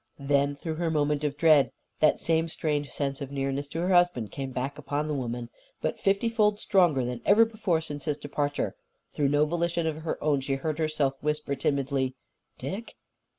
Then, through her moment of dread, that same strange sense of nearness to her husband came back upon the woman, but fiftyfold stronger than ever before since his departure. Through no volition of her own, she heard herself whisper timidly: "_Dick?